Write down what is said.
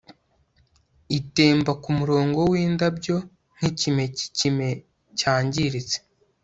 itemba kumurongo windabyo nkikime cyikime cyangiritse